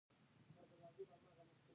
که به بندي بېوزلی و نو بله لاره وه.